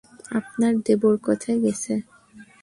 আপনার দেবর কোথায় গেছে?